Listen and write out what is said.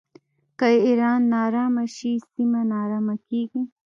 که ایران ناارامه شي سیمه ناارامه کیږي.